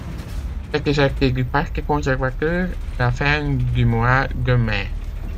Il est éjecté du Parti conservateur à la fin du mois de mai.